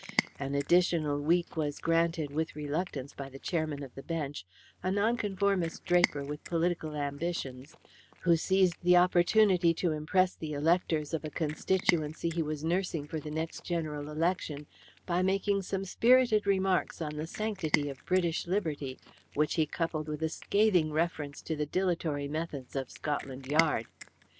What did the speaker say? An additional week was granted with reluctance by the chairman of the bench, a Nonconformist draper with political ambitions, who seized the opportunity to impress the electors of a constituency he was nursing for the next general election by making some spirited remarks on the sanctity of British liberty, which he coupled with a scathing reference to the dilatory methods of Scotland Yard.